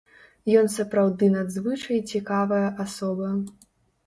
Ён сапраўды надзвычай цікавая асоба.